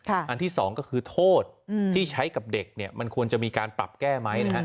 อันที่๒ก็คือโทษที่ใช้กับเด็กมันควรจะมีการปรับแก้ไหม